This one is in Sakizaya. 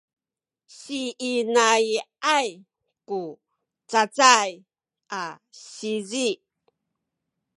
siinai’ay ku cacay a sizi